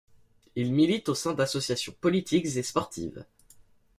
Il milite au sein d'associations politiques et sportives.